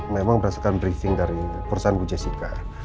memang berdasarkan briefing dari perusahaan bu jessica